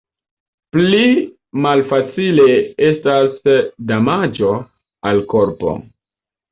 Pli malfacile estas damaĝo al korpo.